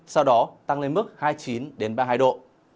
sau đó tăng lên mức hai mươi chín ba mươi hai độ